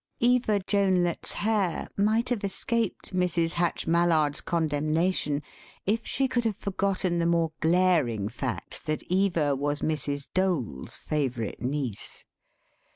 Eva Jonelet's hair might have escaped Mrs. Hatch Mallard's condemnation if she could have forgotten the more glaring fact that Eva was Mrs. Dole's favourite niece.